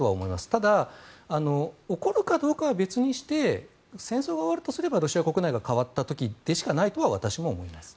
ただ、起こるかどうかは別にして戦争が終わるとすればロシア国内が変わった時でしかないとは私も思います。